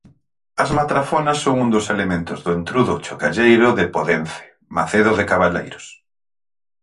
As Matrafonas son un dos elementos do Entrudo Chocalheiro de Podence, Macedo de Cavaleiros